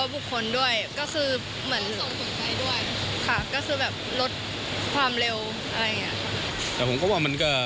ทุกตัวบุคคลด้วยก็คือเหมือนค่ะก็คือแบบลดความเร็วอะไรอย่างนี้